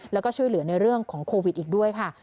แล้วก็ช่วยเหลือในเรื่องของโควิดอีกด้วยค่ะ